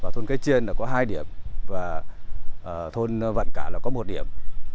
thôn cái chiên có hai điểm và thôn vận cả có một điểm